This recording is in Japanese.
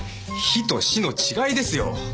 「ヒ」と「シ」の違いですよ。